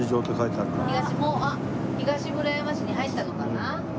あっ東村山市に入ったのかな？